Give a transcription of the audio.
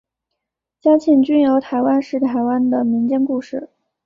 嘉庆君游台湾是台湾的民间故事。